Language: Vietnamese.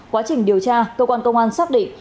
quá trình điều tra cơ quan công an xác định